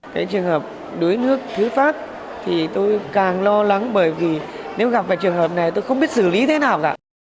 cái trường hợp đuối nước thứ phát thì tôi càng lo lắng bởi vì nếu gặp phải trường hợp này tôi không biết xử lý thế nào cả